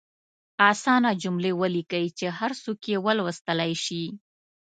اسانه جملې ولیکئ چې هر څوک یې ولوستلئ شي.